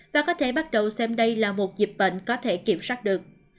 và có thể bắt đầu xem đây là một dịch bệnh có thể kiểm soát được